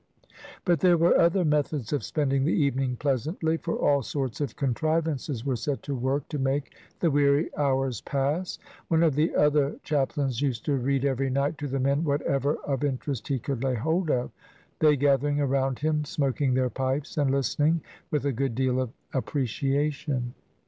But there were other methods of spending the evening pleasantly, for all sorts of contrivances were set to work to make the weary hours pass. One of the other chap lains used to read every night to the men whatever of interest he could lay hold of, they gathering around him smoking their pipes and listening with a good deal of appreciation.